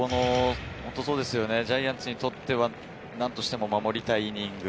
ジャイアンツにとっては、なんとしても守りたいイニング。